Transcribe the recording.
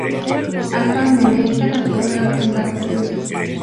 Actualmente este refugio es regentado por Luis.